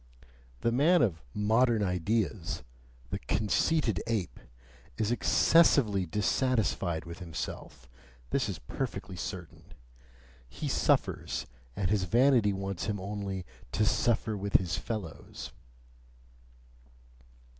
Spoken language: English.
The man of "modern ideas," the conceited ape, is excessively dissatisfied with himself this is perfectly certain. He suffers, and his vanity wants him only "to suffer with his fellows."